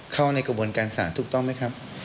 เข้าในกระบวนการศาลถูกต้องไหมครับ